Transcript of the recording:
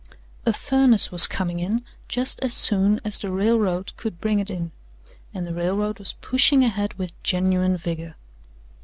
A furnace was coming in just as soon as the railroad could bring it in, and the railroad was pushing ahead with genuine vigor.